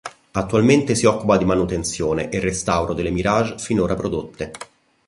Attualmente si occupa di manutenzione e restauro delle Mirage finora prodotte.